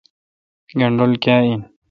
گنڈول کاں این